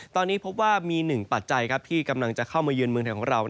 ตอนนี้พบว่ามีหนึ่งปัจจัยที่กำลังจะเข้ามาเยือนเมืองไทยของเรา